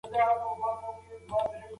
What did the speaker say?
ایا تاسو به کله ملا صاحب ته کباب پوخ کړئ؟